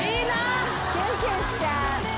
キュンキュンしちゃう。